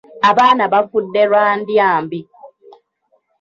Abaana bafudde lwa ndya mbi.